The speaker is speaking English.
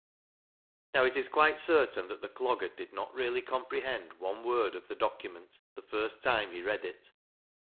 Now it is quite certain that the Clogger did not really comprehend one word of the docu ment the first time he read it.